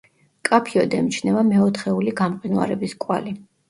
მკაფიოდ ემჩნევა მეოთხეული გამყინვარების კვალი.